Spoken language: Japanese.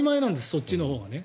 そっちのほうがね。